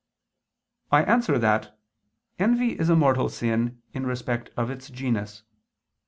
I answer that, Envy is a mortal sin, in respect of its genus.